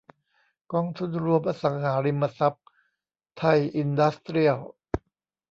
กองทุนรวมอสังหาริมทรัพย์ไทยอินดัสเตรียล